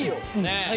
最高。